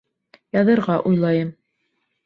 — Яҙырға уйлайым.